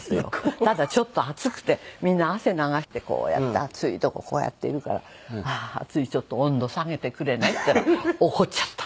ただちょっと暑くてみんな汗流してこうやって暑いとここうやっているから「暑い。ちょっと温度下げてくれない？」って言ったら怒っちゃった。